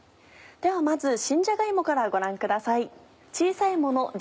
ではまず新じゃが芋からご覧ください。